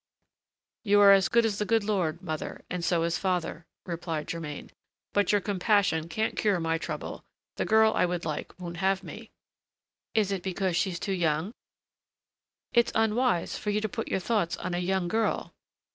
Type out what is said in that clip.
"You are as good as the good Lord, mother, and so is father," replied Germain; "but your compassion can't cure my trouble: the girl I would like won't have me." "Is it because she's too young? It's unwise for you to put your thoughts on a young girl."